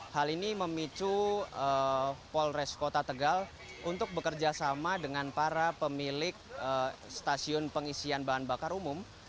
hal ini memicu polres kota tegal untuk bekerjasama dengan para pemilik stasiun pengisian bahan bakar umum